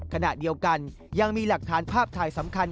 ขณะเดียวกันยังมีหลักฐานภาพถ่ายสำคัญ